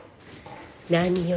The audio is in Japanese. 何よ？